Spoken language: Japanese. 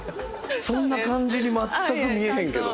そんな感じに全く見えへんけど。